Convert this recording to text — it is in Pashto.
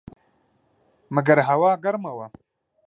مګر هوا ګرمه وه.